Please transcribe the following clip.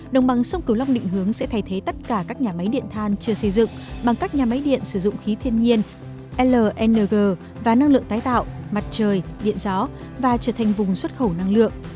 đồng bằng sông cửu long định hướng sẽ thay thế tất cả các nhà máy điện than chưa xây dựng bằng các nhà máy điện sử dụng khí thiên nhiên lng và năng lượng tái tạo mặt trời điện gió và trở thành vùng xuất khẩu năng lượng